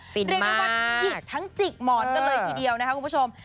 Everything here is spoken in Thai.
เรียกได้ว่าหยิกทั้งจิกหมอนกันเลยทีเดียวนะครับคุณผู้ชม